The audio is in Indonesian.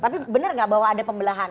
tapi benar nggak bahwa ada pembelahan